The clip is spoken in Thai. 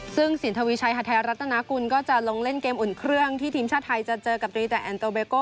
ซึ่งสินทวีชัยฮัทไทยรัฐนากุลก็จะลงเล่นเกมอุ่นเครื่องที่ทีมชาติไทยจะเจอกับดรีแต่แอนโตเบโก้